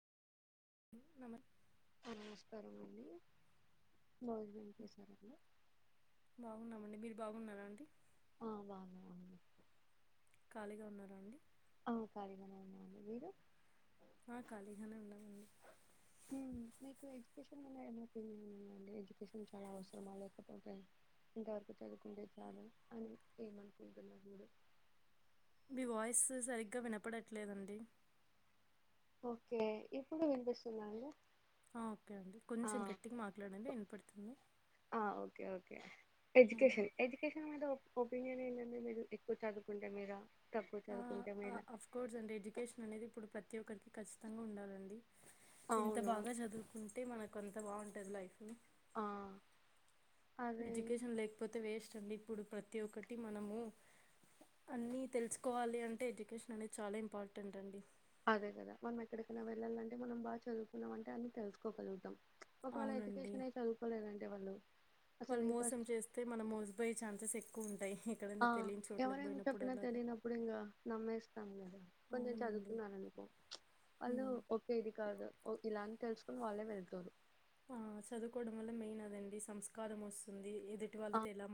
మమ నమస్కాకారం అండి భోజనం చేశార బాగున్నార అండి అ అ ఖాళీగా ఉన్నార అండి అవు ఖాళీగా మన్నాండి మీరు ఆ ఖాళీగానే ఉన్నామండి ఇ మ ఏమ ఉందండి ఎడ్యుకేషన్ చాలా అవసరమా లేకపోతే ఇంతవరకు చదువుకుంటే చాలు అని ఏమనుకుంటున్నారు ఇడు మీ వాయిస్ సరిగ్గా వినపడట్లేదండి ఓకే ఇప్పుడు వినిపిస్తుందా అండి ఓకే ఒకే అండి ఆ కొంచెం గట్టిగా మాట్లాడండి విన పడుతుంది ఆ ఓకే ఓకే ఎడ్యుకేషన్ ఎడ్యుకేషన్ మీద ఒ ఒపీనియన్ ఏంటంటడి మీరు ఎక్కువ చదువుకుంటే మేల ఆ అఫ్ కోర్స్ అంటే ఎడ్యుకేషన్ అనేది ఇప్పుడు ప్రతి ఒక్కరికి ఖచ్చితంగా ఉండాలండి ఇంత అవును బాగా చదువుకుంటు అంటే మనకు అంత బాగుంటుంది లైఫ్ ఆ అదే ఎడ్యుకేషన్ లేకపోతే వేస్ట్ అండి ఇప్పుడు ప్రతి ఒక్కటి మనము అన్నీ తెలుసుకోవాలి అంటే ఎడ్యుకేషన్ అనేది చాలా ఇంపార్టెంట్ అండి అదే కదా మనం ఎక్కడికైనా వెళ్ళాలంటే మనం బాగా చదువుకున్నాం అంటే అన్న తెలుసుకోగలుగుతాం ఒకవేళ అవునండి ఎడ్యుకేషన్ అయి చదువుకోలేదండి వాళ్ళు అసలు వాళ్ళు ఈ మోసం ఫస్ట్ చేస్తే మనం మోసపోయే ఛాన్సెస్ ఎక్కువ కు ఉంటాయి ఆ ఎక్కడైనా తెలియని చోట్లకి ఎవరేం పోయినప్పుడు చెప్పినా అలాగా తెలినప్పుడు ఇంక నమ్మేస్తాము కొంచెం అవునండి చదువుకున్నారు అనుకో ప్చ్ వాళ్ళు ఉమ్. ఓకే ఇది కాదు ఇలానే తెలుసుకొని వాళ్ళే వెళ్తారు ఆ చదువుకోవడం వల్ల మెయిన్ అదండి సంస్కారం వస్తుంది ఎదుటి ఆ వాళ్ళతో ఎలా